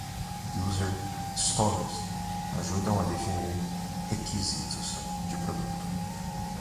User Stories ajudam a definir requisitos de produto.